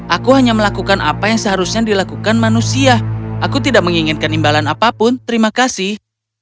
aku hanya melakukan apa yang seharusnya dilakukan manusia aku tidak menginginkan imbalan apapun terima kasih